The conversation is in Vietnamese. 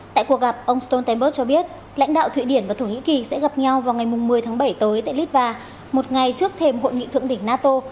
tại cuộc gặp ông stoltenberg cho biết lãnh đạo thụy điển và thổ nhĩ kỳ sẽ gặp nhau vào ngày một mươi tháng bảy tới tại litva một ngày trước thềm hội nghị thượng đỉnh nato